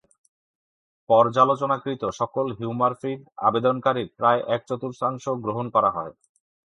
পর্যালোচনাকৃত সকল হিউমারফিড আবেদনকারীর প্রায় এক চতুর্থাংশ গ্রহণ করা হয়।